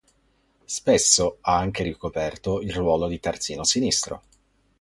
Spesso ha anche ricoperto il ruolo di terzino sinistro.